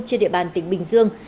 trên địa bàn tỉnh bình dương